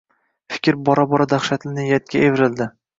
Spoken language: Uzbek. Fikr bora-bora dahshatli niyatga evrildi